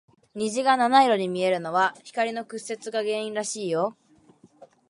虹が七色に見えるのは、光の屈折が原因らしいよ。